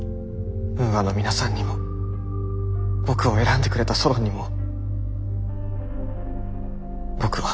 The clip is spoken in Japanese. ウーアの皆さんにも僕を選んでくれたソロンにも僕は。